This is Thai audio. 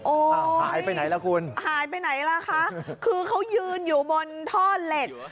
โอ้ยหายไปไหนล่ะคุณคือเขายืนอยู่บนท่อเล็ก